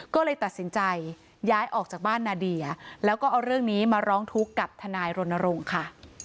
ก็เลยตัดสินใจย้ายออกจากบ้านนาเดียแล้วก็เอาเรื่องนี้มาร้องทุกข์กับทนายรณรงค์ค่ะ